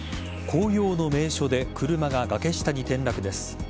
紅葉の名所で車が崖下に転落です。